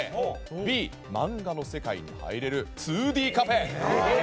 Ｂ、漫画の世界に入れる２Ｄカフェ。